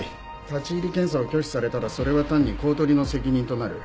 立入検査を拒否されたらそれは単に公取の責任となる。